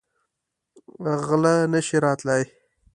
غله نه شي راتلی.